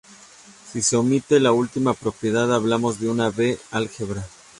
Si se omite la última propiedad, hablamos de una B-álgebra.